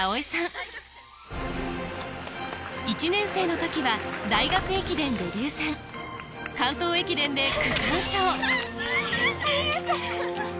１年生の時は大学駅伝デビュー戦関東駅伝でありがとう！